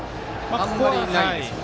あまりないですよね。